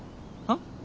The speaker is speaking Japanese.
あっ？